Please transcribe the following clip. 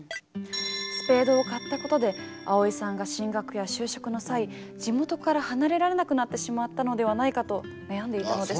スペードを買ったことで蒼依さんが進学や就職の際地元から離れられなくなってしまったのではないかと悩んでいたのです。